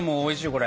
これ。